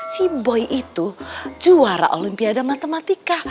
si boy itu juara olimpiade matematika